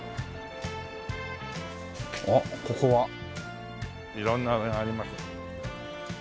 あっここはいろんなのがあります。